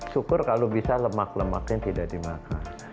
syukur kalau bisa lemak lemaknya tidak dimakan